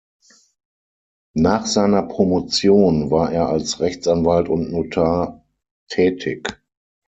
Nach seiner Promotion war er als Rechtsanwalt und Notar tätig.